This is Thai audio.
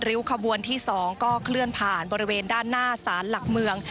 ขบวนที่๒ก็เคลื่อนผ่านบริเวณด้านหน้าสารหลักเมือง